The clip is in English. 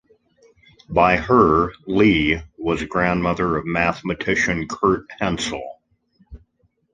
By her, Lea was grandmother of mathematician Kurt Hensel.